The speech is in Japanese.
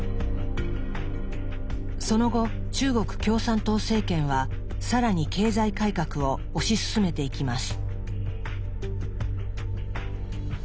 その後中国共産党政権は更に経済改革を推し進めていきます。